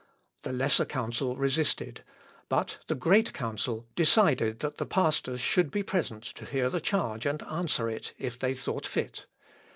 The Lesser Council resisted. but the Great Council decided that the pastors should be present to hear the charge, and answer it, if they thought fit.